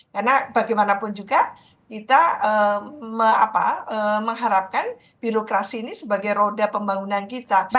karena bagaimanapun juga kita mengharapkan birokrasi ini sebagai roda pembangunan kita